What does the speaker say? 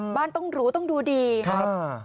บ้านต้องรู้ต้องดูดีครับ